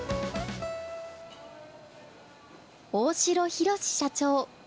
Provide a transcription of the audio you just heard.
大城洋社長。